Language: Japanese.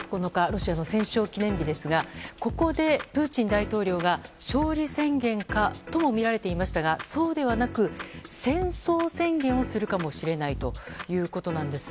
ロシアの戦勝記念日ですがここでプーチン大統領が勝利宣言かともみられていましたがそうではなく戦争宣言をするかもしれないということなんです。